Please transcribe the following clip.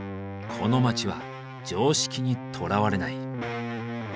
この街は常識にとらわれない。